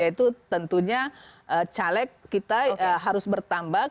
yaitu tentunya caleg kita harus bertambah